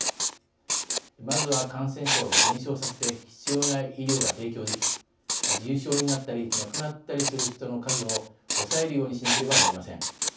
まずは、感染者を減少させて必要な医療が提供でき重症になったり亡くなったりする人の数を抑えるようにしなければなりません。